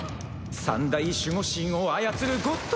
三大守護神を操るゴッド